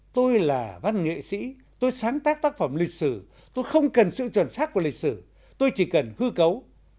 tôi là văn nghệ sĩ tôi sáng tác tác phẩm lịch sử tôi không cần sự chuẩn xác của lịch sử tôi chỉ cần hư cấu